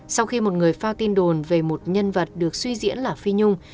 sau khi một người phao tin đồn về một nhân vật được suy diễn là phi nhung